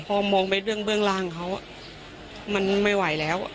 พอมองไปเรื่องเบื้องล่างเขามันไม่ไหวแล้ว